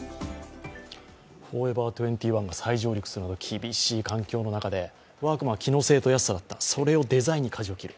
フォーエバー２１が再起業する中で、ワークマンは機能性と安さだったそれをデザインにかじを切る。